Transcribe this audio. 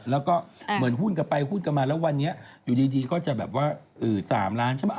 แล้วก็เหมือนหุ้นกันไปหุ้นกันมาแล้ววันนี้อยู่ดีก็จะแบบว่า๓ล้านใช่ไหม